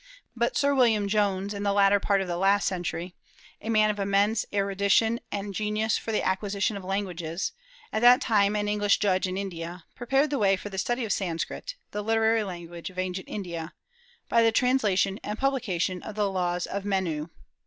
But Sir William Jones in the latter part of the last century, a man of immense erudition and genius for the acquisition of languages, at that time an English judge in India, prepared the way for the study of Sanskrit, the literary language of ancient India, by the translation and publication of the laws of Menu.